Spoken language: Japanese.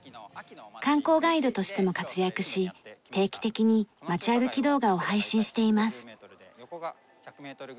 観光ガイドとしても活躍し定期的に街歩き動画を配信しています。